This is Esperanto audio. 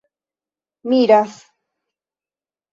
miras